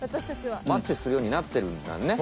マッチするようになってるんだね。